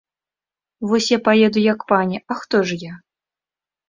Вось я паеду, як пані, а хто ж я?